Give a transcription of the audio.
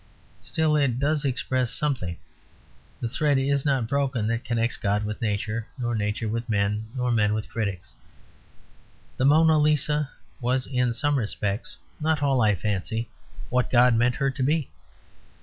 Still, it does express something; the thread is not broken that connects God With Nature, or Nature with men, or men with critics. The "Mona Lisa" was in some respects (not all, I fancy) what God meant her to be.